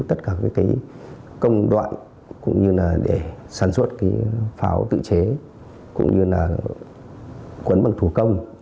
tất cả các công đoạn cũng như là để sản xuất pháo tự chế cũng như là quấn bằng thủ công